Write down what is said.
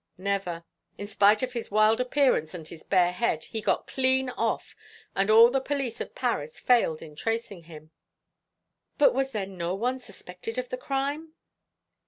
"Never. In spite of his wild appearance and his bare head, he got clean off, and all the police of Paris failed in tracing him." "But was there no one suspected of the crime?"